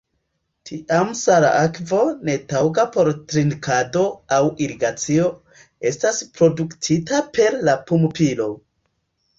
Tiam sala akvo, netaŭga por trinkado aŭ irigacio, estas produktita per la pumpilo.